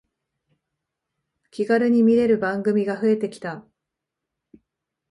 気軽に見れる番組が増えてきた